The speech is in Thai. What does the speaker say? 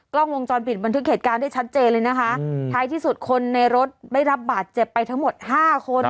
กล้องวงจรปิดบันทึกเหตุการณ์ได้ชัดเจนเลยนะคะท้ายที่สุดคนในรถได้รับบาดเจ็บไปทั้งหมดห้าคน